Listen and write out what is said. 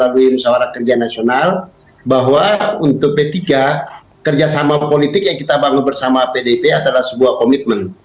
bahwa untuk p tiga kerjasama politik yang kita bangun bersama pdip adalah sebuah komitmen